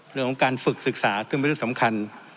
เรื่องของการฝึกศึกษาก็ไม่ได้สำคัญ